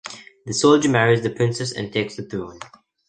The soldier marries the princess and takes the throne.